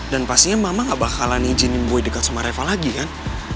dan pastinya mama gak bakalan izinin boy deket sama reva lagi kan